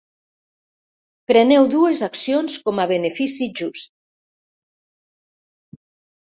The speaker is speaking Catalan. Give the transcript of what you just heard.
Preneu dues accions com a benefici just.